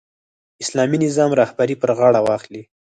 اسلامي نظام رهبري پر غاړه واخلي.